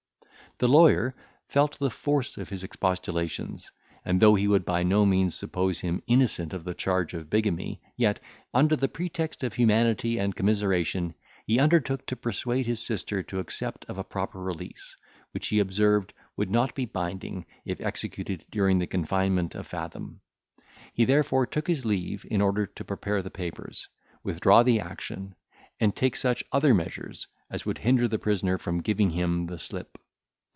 The lawyer felt the force of his expostulations; and though he would by no means suppose him innocent of the charge of bigamy, yet, under the pretext of humanity and commiseration, he undertook to persuade his sister to accept of a proper release, which, he observed, would not be binding, if executed during the confinement of Fathom; he therefore took his leave, in order to prepare the papers, withdraw the action, and take such other measures as would hinder the prisoner from giving him the slip.